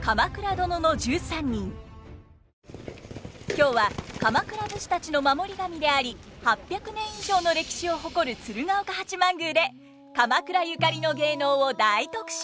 今日は鎌倉武士たちの守り神であり８００年以上の歴史を誇る鶴岡八幡宮で鎌倉ゆかりの芸能を大特集！